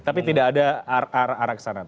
tapi tidak ada arah sana